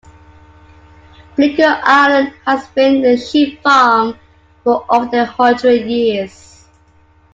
Bleaker Island has been a sheep farm for over a hundred years.